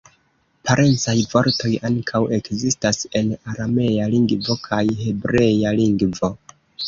Parencaj vortoj ankaŭ ekzistas en aramea lingvo kaj hebrea lingvo.